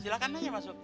silahkan aja masuk